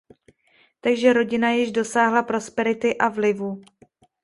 Takže rodina již dosáhla prosperity a vlivu.